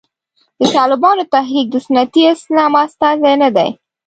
د طالبانو تحریک د سنتي اسلام استازی نه دی.